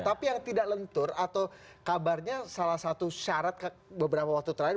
tapi yang tidak lentur atau kabarnya salah satu syarat beberapa waktu terakhir